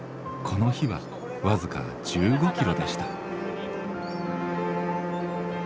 この日は僅か１５キロでした。